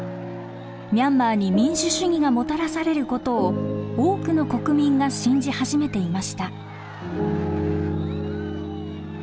ミャンマーに民主主義がもたらされることを多くの国民が信じ始めていました。